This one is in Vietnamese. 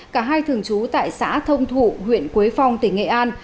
cả hai thường trú tại xã thông thụ huyện quế phong tỉnh nghệ an